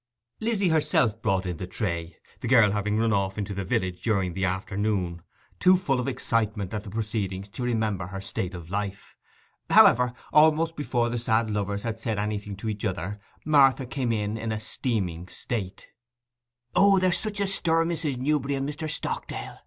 Lizzy herself brought in the tray, the girl having run off into the village during the afternoon, too full of excitement at the proceedings to remember her state of life. However, almost before the sad lovers had said anything to each other, Martha came in in a steaming state. 'O, there's such a stoor, Mrs. Newberry and Mr. Stockdale!